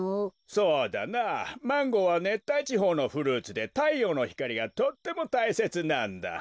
そうだなマンゴーはねったいちほうのフルーツでたいようのひかりがとってもたいせつなんだ。